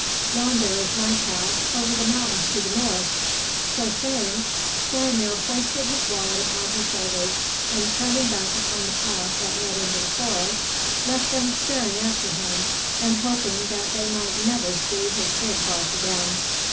Yonder is my path, over the mountains to the north." So saying, Skrymir hoisted his wallet upon his shoulders, and turning back upon the path that led into the forest, left them staring after him and hoping that they might never see his big bulk again.